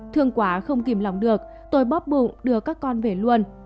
thương quá không kìm lòng được tôi bóp bụng đưa các con về luôn